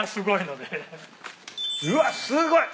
うわすごい！